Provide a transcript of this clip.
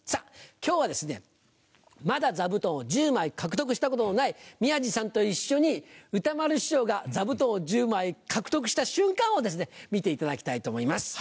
今日はですねまだ座布団を１０枚獲得したことのない宮治さんと一緒に歌丸師匠が座布団を１０枚獲得した瞬間を見ていただきたいと思います。